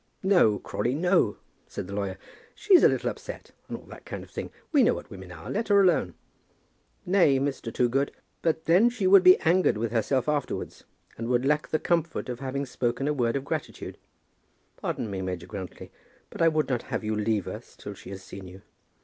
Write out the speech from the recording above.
"No, Crawley, no," said the lawyer. "She's a little upset, and all that kind of thing. We know what women are. Let her alone." "Nay, Mr. Toogood; but then she would be angered with herself afterwards, and would lack the comfort of having spoken a word of gratitude. Pardon me, Major Grantly; but I would not have you leave us till she has seen you.